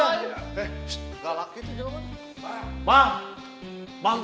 eh gak lagi itu jauh banget